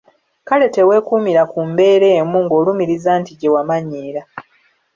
Kale teweekuumira ku mbeera emu ng'olumiriza nti gye wamanyiira.